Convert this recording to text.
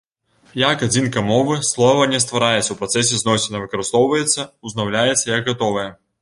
Як адзінка мовы, слова не ствараецца ў працэсе зносін, а выкарыстоўваецца, узнаўляецца як гатовае.